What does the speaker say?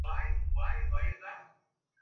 তুমি কি এখনো বিশ্বাস করো আমি তোমাকে ভালোবাসি?